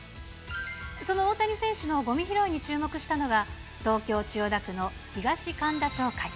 その大谷選手のごみ拾いに注目したのが、東京・千代田区の東神田町会。